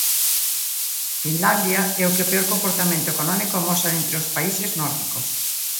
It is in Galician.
Finlandia é o que peor comportamento económico amosa entre os países nórdicos.